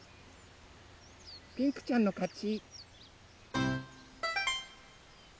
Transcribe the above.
ピンクちゃんのかち！